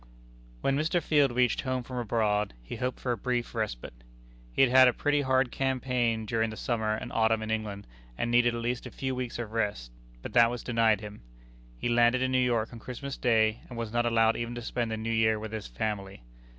When Mr. Field reached home from abroad, he hoped for a brief respite. He had had a pretty hard campaign during the summer and autumn in England, and needed at least a few weeks of rest; but that was denied him. He landed in New York on Christmas Day, and was not allowed even to spend the New Year with his family.